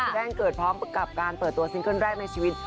แจ้งเกิดพร้อมกับการเปิดตัวซิงเกิ้ลแรกในชีวิต